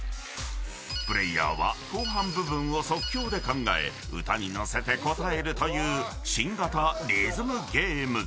プレーヤーは後半部分を即興で考え歌に乗せて答えるという新型リズムゲーム。